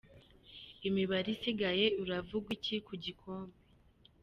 Imibare isigaye iravuga iki ku gikombe?.